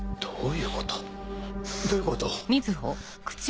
どういうことどういうこと？